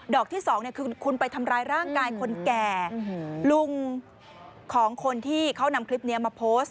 อกที่สองเนี่ยคือคุณไปทำร้ายร่างกายคนแก่ลุงของคนที่เขานำคลิปนี้มาโพสต์